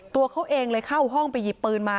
ตัวเขาเองเลยเข้าห้องไปหยิบปืนมา